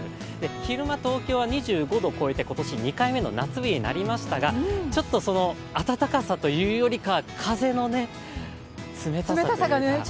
昼間、東京は２５度超えて、今年２回目の夏日になりましたがちょっとその暖かさというよりかは風の冷たさというか。